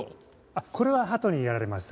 あっこれはハトにやられました。